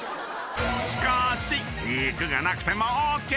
［しかし肉がなくてもＯＫ！］